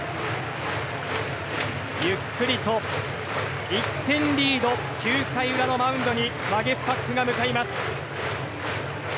ゆっくりと１点リード、９回裏のマウンドにワゲスパックが向かいます。